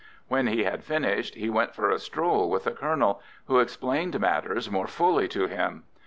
When he had finished he went for a stroll with the colonel, who explained matters more fully to him.